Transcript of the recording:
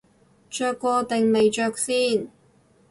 着過定未着先